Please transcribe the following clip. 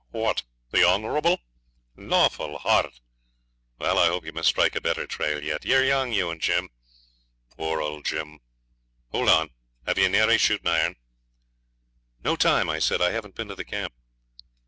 'What, the Honourable!!! Lawful heart! Wal, I hope ye may strike a better trail yet. Yer young, you and Jim, poor old Jim. Hold on. Hev' ye nary shootin' iron?' 'No time,' I said. 'I haven't been to the camp.'